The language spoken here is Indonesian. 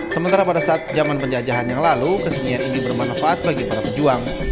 sementara pada saat zaman penjajahan yang lalu kesenian ini bermanfaat bagi para pejuang